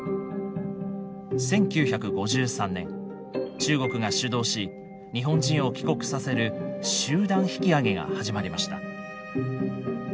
１９５３年中国が主導し日本人を帰国させる集団引き揚げが始まりました。